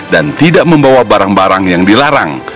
dan tidak membawa barang barang yang dilarang